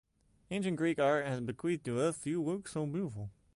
Ancient Greek art has bequeathed to us few works so beautiful.